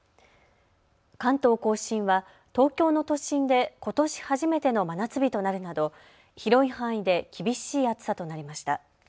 関東甲信は東京の都心でことし初めての真夏日となるなど広い範囲で厳しい暑さとなりました。